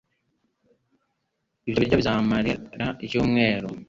Ibyo biryo bizamara icyumweru.